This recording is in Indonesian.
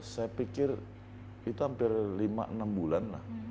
saya pikir itu hampir lima enam bulan lah